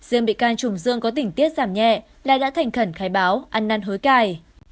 riêng bị can trùng dương có tỉnh tiết giảm nhẹ lại đã thành khẩn khai báo ăn năn hối cài